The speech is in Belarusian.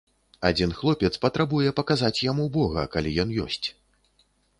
Адзін хлопец патрабуе паказаць яму бога, калі ён ёсць.